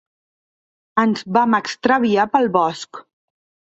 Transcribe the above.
Ens vam extraviar pel bosc.